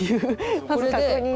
まず確認し。